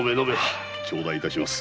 頂戴します。